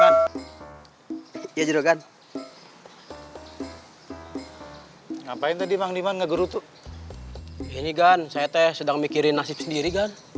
ngapain tadi emang dimanggak gerutu ini gan saya teh sedang mikirin nasib sendiri